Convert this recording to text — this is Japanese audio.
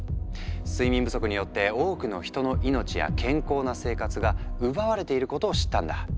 睡眠不足によって多くの人の命や健康な生活が奪われていることを知ったんだ。